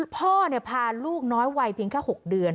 พ่อพาลูกน้อยวัยเพียงแค่๖เดือน